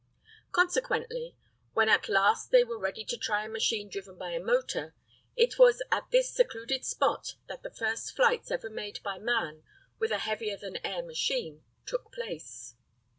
Consequently, when at last they were ready to try a machine driven by a motor, it was at this secluded spot that the first flights ever made by man with a heavier than air machine took place.